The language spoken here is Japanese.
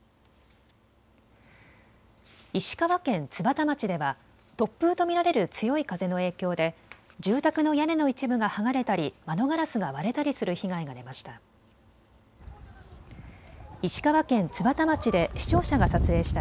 石川県津幡町では突風と見られる強い風の影響で住宅の屋根の一部が剥がれたり、窓ガラスが割れたりする被害が出ました。